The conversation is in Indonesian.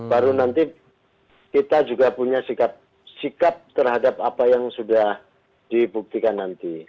baru nanti kita juga punya sikap terhadap apa yang sudah dibuktikan nanti